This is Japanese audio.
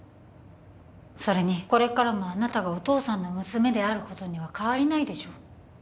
それにこれからもあなたがお父さんの娘であることには変わりないでしょ？